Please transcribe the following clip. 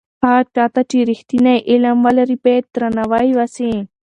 هغه چا ته چې رښتینی علم لري باید درناوی وسي.